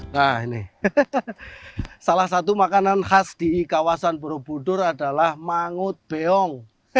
nah ini salah satu makanan khas di kawasan borobudur adalah mangut beong